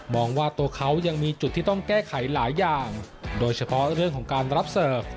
ว่าตัวเขายังมีจุดที่ต้องแก้ไขหลายอย่างโดยเฉพาะเรื่องของการรับเสิร์ฟ